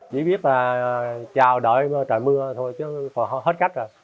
chỉ biết là chào đợi trời mưa thôi chứ hết cách à